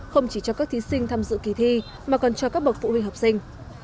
không chỉ cho các thí sinh tham dự kỳ thi mà còn cho các bậc phụ huynh học sinh